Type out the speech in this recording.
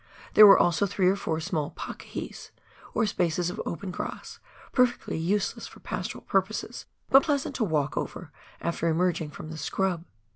There were also three or four small "pakihis," or spaces of open grass, per fectly useless for pastoral purposes, but pleasant to walk over, after emerging from the scrub.